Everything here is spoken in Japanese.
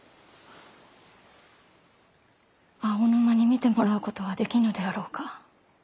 青沼に診てもらうことはできぬであろうか。